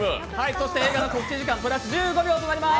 そして映画の告知時間プラス１０秒となります。